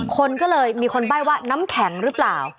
คนก็เลยมีคนใบ้ว่าน้ำแข็งหรือเปล่า